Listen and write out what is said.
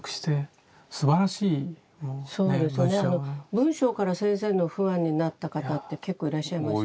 文章から先生のファンになった方って結構いらっしゃいます。